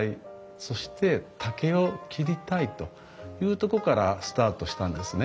そして竹を切りたいというとこからスタートしたんですね。